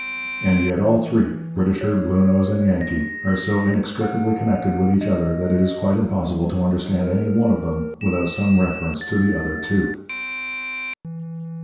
And yet all three Britisher, Bluenose, and Yankee are so inextricably connected with each other that it is quite impossible to understand any one of them without some reference to the other two.